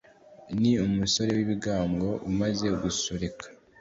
ni umusore w'ibigango umaze gusoreka